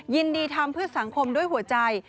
ยินดีทำเพื่อสังคมด้วยหัวใจ